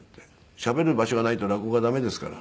しゃべる場所がないと落語家駄目ですから。